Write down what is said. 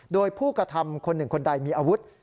โดยผู้กระทำคนหนึ่งคนใดมีอาวุธ